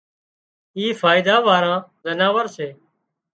اي فائيڌا واۯان زناور سي